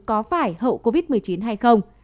có phải hậu covid một mươi chín hay không